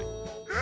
あ！